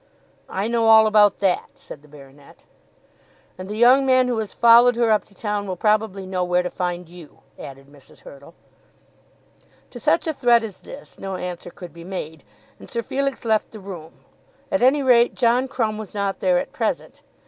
"I know all about that," said the baronet. "And the young man who has followed her up to town will probably know where to find you," added Mrs. Hurtle. To such a threat as this, no answer could be made, and Sir Felix left the room. At any rate, John Crumb was not there at present.